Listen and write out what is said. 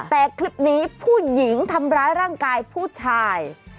แต่คลิปนี้ผู้หญิงทำร้ายร่างกายผู้ชาย